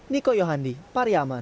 niko yohandi pariaman